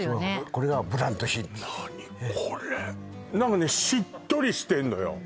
これがブランド品何これ何かねしっとりしてんのよ